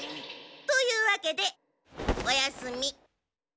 というわけでおやすみ。